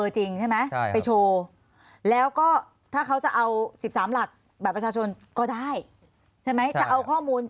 ใช่ไหมจะเอาข้อมูล